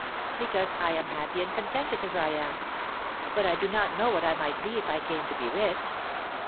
"Because I am happy and contented as I am; but I do not know what I might be if I came to be rich.